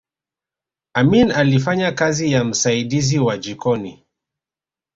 amin alifanya kazi ya msaidizi wa jikoni